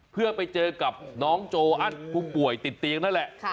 เพื่อไปเจอกับน้องโจอันผู้ป่วยติดเตียงนั่นแหละ